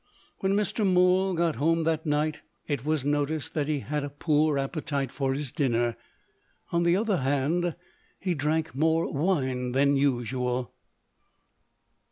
When Mr. Mool got home that night, it was noticed that he had a poor appetite for his dinner. On the other hand, he drank more wine than usual.